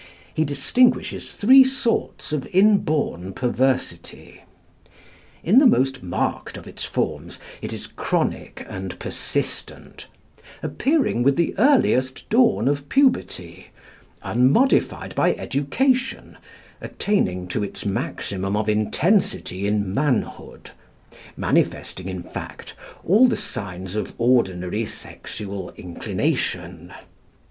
He distinguishes three sorts of inborn perversity. In the most marked of its forms it is chronic and persistent, appearing with the earliest dawn of puberty, unmodified by education, attaining to its maximum of intensity in manhood, manifesting, in fact, all the signs of ordinary sexual inclination.